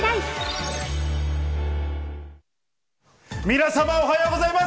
皆さま、おはようございます。